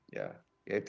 ya itu adalah